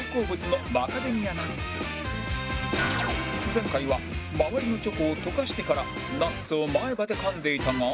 前回は周りのチョコを溶かしてからナッツを前歯で噛んでいたが